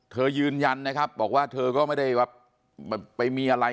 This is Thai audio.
ยืนยันนะครับบอกว่าเธอก็ไม่ได้แบบไปมีอะไร